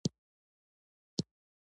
دښمن ته وایه “زه پیاوړی یم”